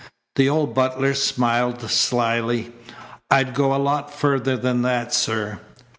The old butler smiled slyly: "I'd go a lot further than that, sir."